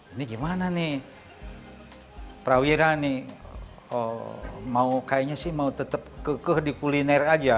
ini gimana nih prawira nih mau kayaknya sih mau tetap kekeh di kuliner aja